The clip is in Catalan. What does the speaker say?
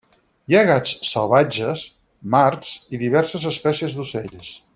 Hi ha gats salvatges, marts i diverses espècies d'ocells.